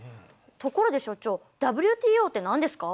ところで所長ＷＴＯって何ですか？